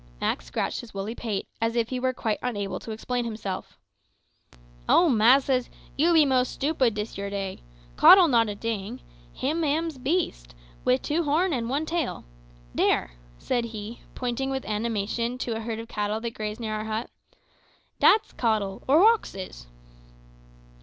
Mak scratched his woolly pate, as if he were quite unable to explain himself. "O massas, you be most stoopid dis yer day. Cottle not a ting; hims am a beast, wid two horn an' one tail. Dere," said he, pointing with animation to a herd of cattle that grazed near our hut, "dat's cottle, or hoxes."